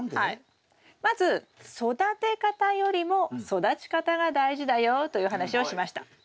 まず育て方よりも育ち方が大事だよという話をしました。